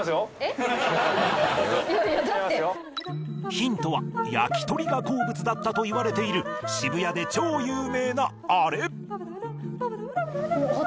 ヒントはやきとりが好物だったといわれている渋谷で超有名なあれ。